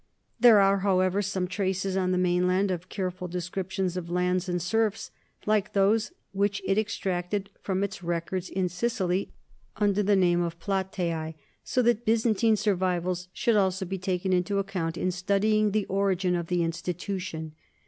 There are, however, some traces on the mainland of careful descriptions of lands and serfs like those which it extracted from its records in Sicily under the name of platea, so that Byzantine survivals should also be taken into account in studying the origin of the in stitution.